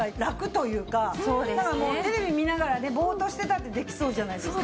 ただもうテレビ見ながらねボーッとしてたってできそうじゃないですか。